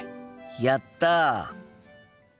やった！